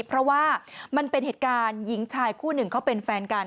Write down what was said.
เพราะว่ามันเป็นเหตุการณ์หญิงชายคู่หนึ่งเขาเป็นแฟนกัน